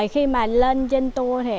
khi mà lên trên tour thì